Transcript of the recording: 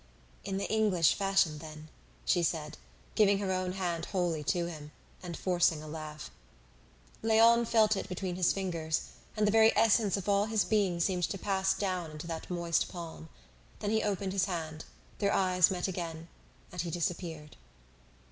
"In the English fashion, then," she said, giving her own hand wholly to him, and forcing a laugh. Léon felt it between his fingers, and the very essence of all his being seemed to pass down into that moist palm. Then he opened his hand; their eyes met again, and he disappeared.